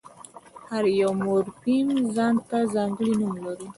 هر یو مورفیم ځان ته ځانګړی نوم لري.